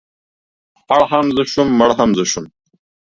ـ پړ هم زه شوم مړ هم زه شوم.